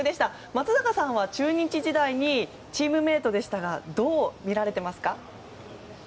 松坂さんは中日時代にチームメートでしたがどう見られていますか？